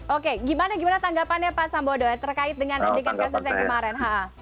oke gimana gimana tanggapannya pak sambodo terkait dengan kasus yang kemarin